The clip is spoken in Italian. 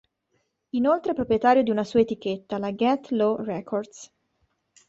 Inoltre è proprietario di una sua etichetta, la Get Low Records.